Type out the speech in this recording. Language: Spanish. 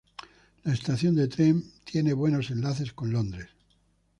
La estación de tren tiene buenos enlaces con Londres.